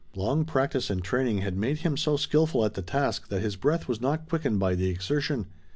Long practice and training had made him so skillful at the task that his breath was not quickened by the exertion.